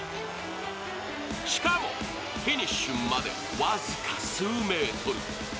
しかも、フィニッシュまで僅か数メートル。